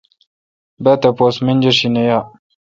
با تاپوس منجرشی نہ یا۔